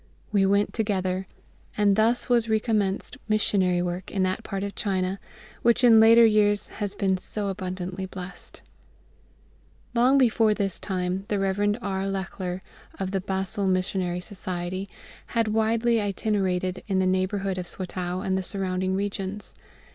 We went together; and thus was recommenced missionary work in that part of China, which in later years has been so abundantly blessed. Long before this time the Rev. R. Lechler, of the Basel Missionary Society, had widely itinerated in the neighbourhood of Swatow and the surrounding regions.